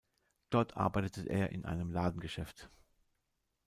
Dort arbeitete er in einem Ladengeschäft.